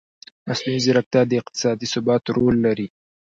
مصنوعي ځیرکتیا د اقتصادي ثبات رول لري.